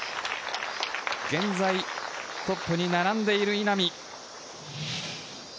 現在、トップに並んでいる稲見。